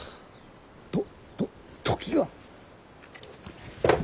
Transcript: とと時が？